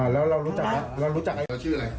แล้วเรารู้จักครับ